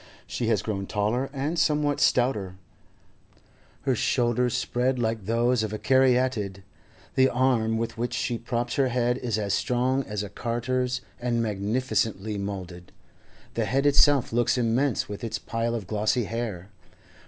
She has grown taller and somewhat stouter; her shoulders spread like those of a caryatid; the arm with which she props her head is as strong as a carter's and magnificently moulded. The head itself looks immense with its pile of glossy hair.